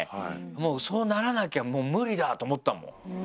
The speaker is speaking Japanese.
そうならなきゃもう無理だと思ったもん。